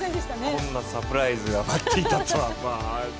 こんなサプライズが待っていたとは。